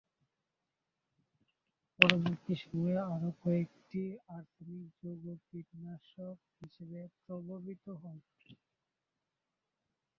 পরবর্তী সময়ে আরও কয়েকটি আর্সেনিক যৌগ কীটনাশক হিসেবে প্রবর্তিত হয়।